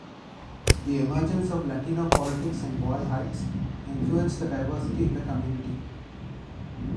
The emergence of Latino politics in Boyle Heights influenced the diversity in the community.